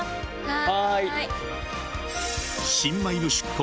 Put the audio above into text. はい。